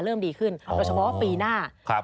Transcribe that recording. เริ่มดีขึ้นโดยเฉพาะว่าปีหน้า